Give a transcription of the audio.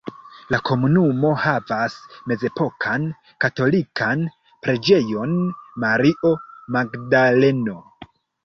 La komunumo havas mezepokan katolikan Preĝejon Mario Magdaleno.